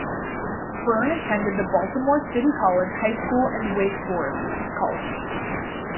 Byrne attended the Baltimore City College high school and Wake Forest College.